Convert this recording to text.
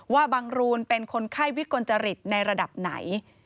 ว่าบังรูนเป็นคนไข้วิกลจริตในระดับไหน